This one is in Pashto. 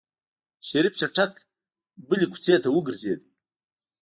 شريف چټک بلې کوڅې ته وګرځېد.